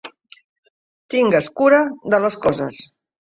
Tingues cura de les coses.